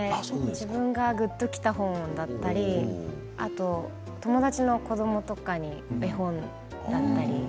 自分がぐっときた本だったり友達の子どもとかに絵本だったり。